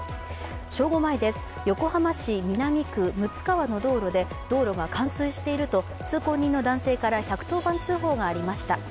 正午前です、横浜市南区六ツ川の道路で道路が冠水していると通行人の男性から１１０番通報がありました。